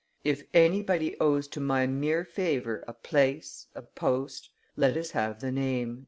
If anybody owes to my mere favor a place, a post, let us have the name."